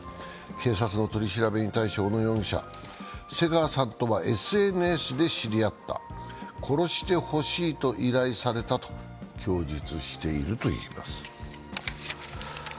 警察の取り調べに対し、小野容疑者瀬川さんとはＳＮＳで知り合った、殺してほしいと依頼されたと供述しているといいます。